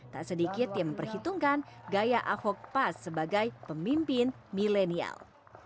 tak sedikit yang memperhitungkan gaya ahok pas sebagai pemimpin milenial